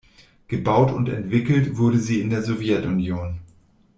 Gebaut und entwickelt wurde sie in der Sowjetunion.